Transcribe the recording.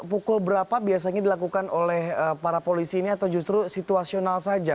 pukul berapa biasanya dilakukan oleh para polisi ini atau justru situasional saja